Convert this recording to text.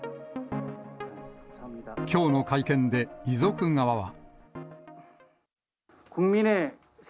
きょうの会見で、遺族側は。